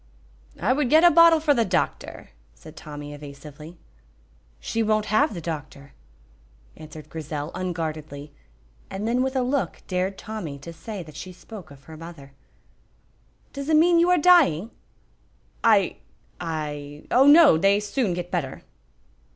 "I would get a bottle frae the doctor," said Tommy, evasively. "She won't have the doctor," answered Grizel, unguardedly, and then with a look dared Tommy to say that she spoke of her mother. "Does it mean you are dying?" "I I oh, no, they soon get better."